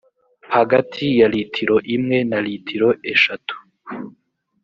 hagati ya litiro imwe na litiro eshatu